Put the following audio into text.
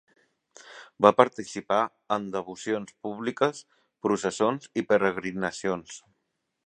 Va participar en devocions públiques, processons i peregrinacions.